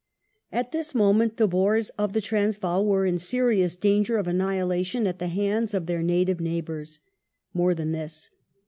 At this moment the Boers of the Transvaal were in serious danger of annihilation at the hands of their native neighbours. More than this.